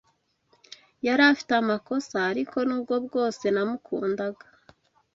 Yari afite amakosa, ariko nubwo bwose namukundaga.